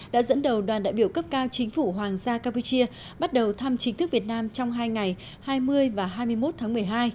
đã dẫn đầu đoàn đại biểu cấp cao chính phủ hoàng gia campuchia bắt đầu thăm chính thức việt nam trong hai ngày hai mươi và hai mươi một tháng một mươi hai